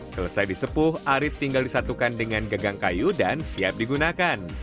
selesai disepuh arief tinggal disatukan dengan gagang kayu dan siap digunakan